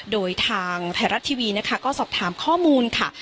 โดยทางไทยรัฐทีวีนะคะก็สอบถามข้อมูลค่ะ